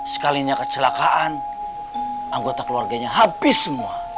sekalinya kecelakaan anggota keluarganya habis semua